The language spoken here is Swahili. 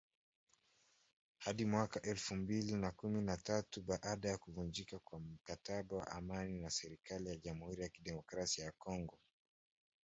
hadi mwaka elfu mbili na kumi na tatu baada ya kuvunjika kwa mkataba wa amani na serikali ya Jamuhuri ya Demokrasia ya Kongo